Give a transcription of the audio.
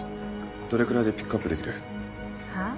どれくらいでピックアップできる？は？